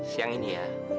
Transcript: siang ini ya